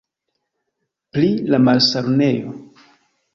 Pri la malsanulejo.